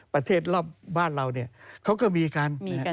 ประเทศรอบบ้านเขาก็มีกัน